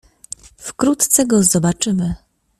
"Wkrótce go zobaczymy."